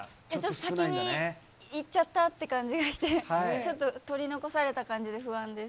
先にいっちゃったって感じがして、ちょっと、取り残された感じで不安です。